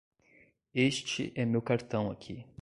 Este é meu cartão aqui.